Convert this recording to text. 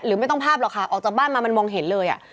ไม่ต้องภาพหรอกค่ะออกจากบ้านมามันมองเห็นเลย